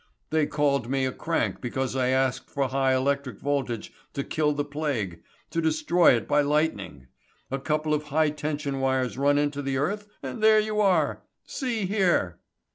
They called me a crank because I asked for high electric voltage to kill the plague to destroy it by lightning. A couple of high tension wires run into the earth and there you are. See here."